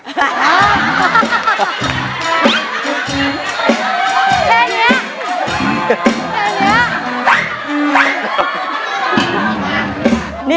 แบบนี้